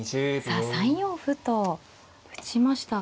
さあ３四歩と打ちました。